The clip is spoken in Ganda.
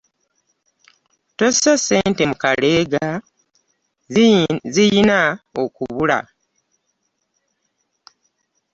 Tossa ssente mu kaleega ziyiina okubula.